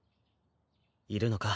いるのか？